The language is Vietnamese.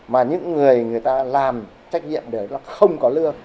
mà những người người ta làm trách nhiệm để nó không có lương